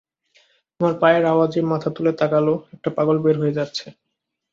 আমার পায়ের আওয়াজে মাথা তুলে তাকাল, একটা পাগল বের হয়ে যাচ্ছে।